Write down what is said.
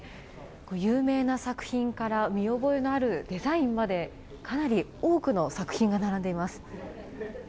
有名な作品から見覚えのあるデザインまで、かなり多くの作品が並んでいます。